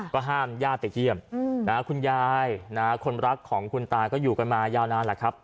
ก็ห้ามญาติไปเยี่ยมคุณยายคนรักของคุณตาก็อยู่กันมายาวนานแหละครับ